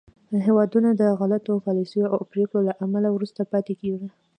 هېوادونه د غلطو پالیسیو او پرېکړو له امله وروسته پاتې کېږي